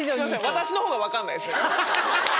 私のほうが分かんない。